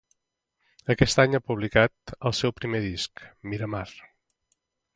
Aquest any ha publicat el seu primer disc, Miramar